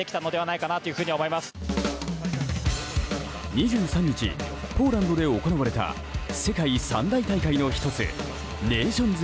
２３日、ポーランドで行われた世界三大大会の１つネーションズ